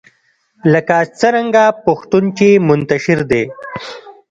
لکه څرنګه پښتون چې منتشر دی